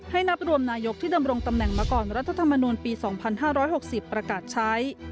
นับรวมนายกที่ดำรงตำแหน่งมาก่อนรัฐธรรมนูลปี๒๕๖๐ประกาศใช้